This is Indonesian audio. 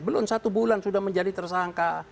belum satu bulan sudah menjadi tersangka